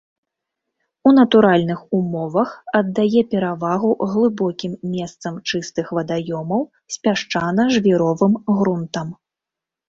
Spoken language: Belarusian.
У натуральных умовах аддае перавагу глыбокім месцам чыстых вадаёмаў з пясчана-жвіровым грунтам.